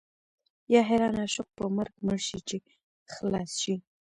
یا حیران عاشق په مرګ مړ شي چې خلاص شي.